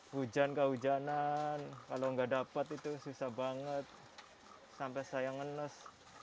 hujan kehujanan kalau nggak dapat itu susah banget sampai saya ngenas